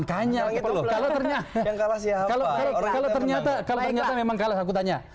kalau ternyata memang kalah aku tanya